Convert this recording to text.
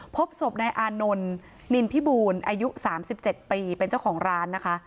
พบศพนายอานนท์นินพิบูลอายุ๓๗ปีเป็นเจ้าของร้านนะคะ